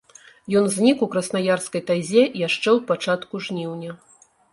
Ён знік у краснаярскай тайзе яшчэ ў пачатку жніўня.